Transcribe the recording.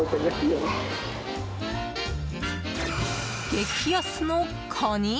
激安のカニ？